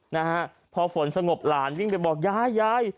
นะฮะพอฝนสงบหลานวิ่งไปบอกยายยาย